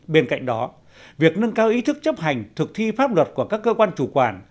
bên cạnh đó việc nâng cao ý thức chấp hành thực thi pháp luật của các cơ quan chủ quản